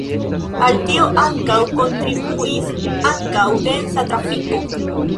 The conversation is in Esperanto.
Al tio ankaŭ kontribuis ankaŭ densa trafiko.